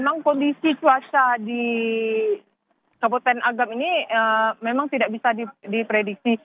memang kondisi cuaca di kabupaten agam ini memang tidak bisa diprediksi